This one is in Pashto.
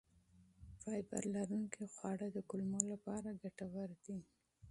فایبر لرونکي خواړه د کولمو لپاره ګټور دي.